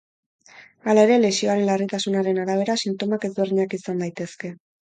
Hala ere, lesioaren larritasunaren arabera sintomak ezberdinak izan daitezke.